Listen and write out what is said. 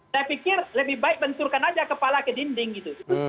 saya pikir lebih baik benturkan aja kepala ke dinding gitu